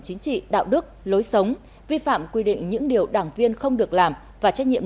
chính trị đạo đức lối sống vi phạm quy định những điều đảng viên không được làm và trách nhiệm